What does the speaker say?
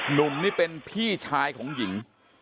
หนุ่มนี่เป็นพี่ชายของหญิง